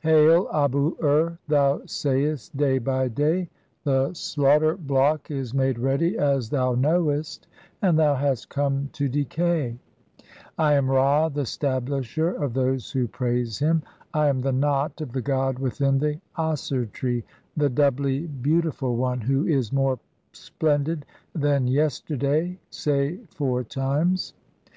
Hail, Abu ur, thou sayest day by day: 'The slaughter "block is made ready as thou knowest, and thou hast come to "decay.' I am (4) Ra, the stablisher of those who praise [him]. "I am the knot of the god within the Aser tree, the doubly beauti "ful one, who is more splendid than yesterday (say four times).